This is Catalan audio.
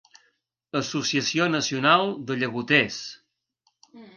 Associació nacional de llagoters.